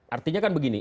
artinya kan begini